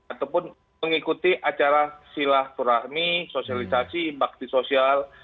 ataupun mengikuti acara silah turahmi sosialisasi bakti sosial